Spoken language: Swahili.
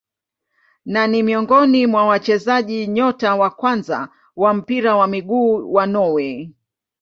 Na ni miongoni mwa wachezaji nyota wa kwanza wa mpira wa miguu wa Norway.